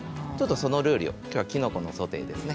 その料理、きょうはきのこのソテーですね。